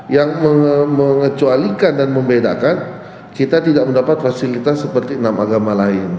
yang mengecualikan dan membedakan kita tidak mendapat fasilitas seperti enam agama lain